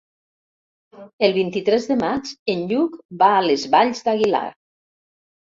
El vint-i-tres de maig en Lluc va a les Valls d'Aguilar.